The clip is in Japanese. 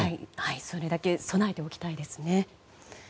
それだけ備えておきたいですね。